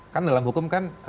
kan dalam hukum kan